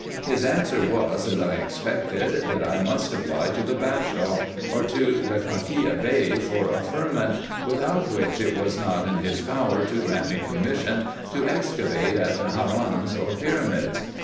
His answer was, as I expected, that I must apply to the Bashaw, or to the Kakia Bey, for a firman, without which it was not in his power to grant me permission to excavate at the harrans, or pyramids.